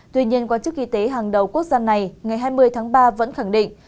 tuy nhiên quan chức y tế hàng đầu quốc gia này ngày hai mươi tháng ba vẫn khẳng định